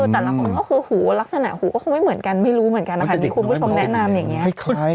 แต่ละคนก็คือหูลักษณะหูก็คงไม่เหมือนกันไม่รู้เหมือนกันนะคะที่คุณผู้ชมแนะนำอย่างนี้